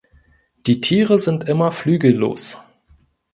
Die Tiere sind immer flügellos.